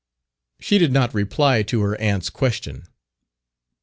She did not reply to her aunt's question.